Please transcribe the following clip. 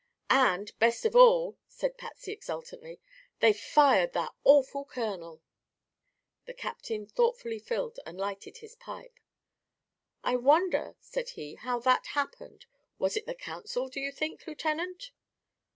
"And, best of all," said Patsy exultantly, "they've fired that awful colonel!" The captain thoughtfully filled and lighted his pipe. "I wonder," said he, "how that happened. Was it the council, do you think, Lieutenant?"